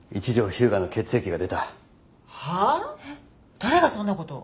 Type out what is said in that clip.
誰がそんな事を？